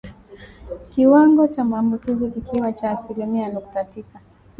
Kiwango cha maambukizi kikiwa cha asilimia nukta tisa